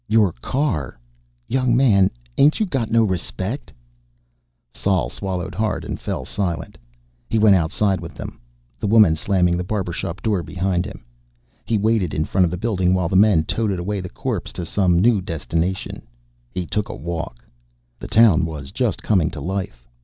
"Your car? Young man, ain't you got no respect?" Sol swallowed hard and fell silent. He went outside with them, the woman slamming the barber shop door behind him. He waited in front of the building while the men toted away the corpse to some new destination. He took a walk. The town was just coming to life.